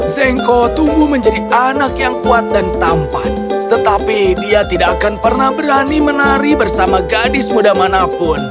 zengko tumbuh menjadi anak yang kuat dan tampan tetapi dia tidak akan pernah berani menari bersama gadis muda manapun